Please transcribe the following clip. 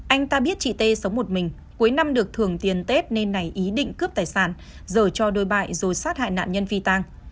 anh ta biết chị tê sống một mình cuối năm được thưởng tiền tết nên này ý định cướp tài sản dở cho đối bại rồi sát hại nạn nhân phi tàng